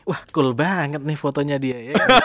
wah cool banget nih fotonya dia ya